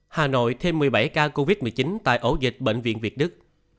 hà nội thêm một mươi bảy ca covid một mươi chín tại ổ dịch bệnh viện việt đức